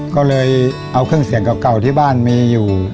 ก็เลยเอาเครื่องเสียงเก่าที่บ้านมีอยู่